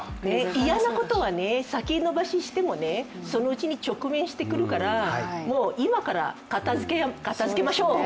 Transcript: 嫌なことは先延ばししても、そのうちに直面してくるから、もう今から片づけましょう。